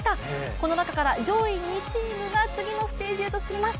この中から上位２チームが次のステージへと進みます。